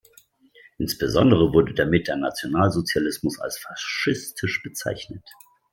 Insbesondere wurde damit der Nationalsozialismus als faschistisch bezeichnet.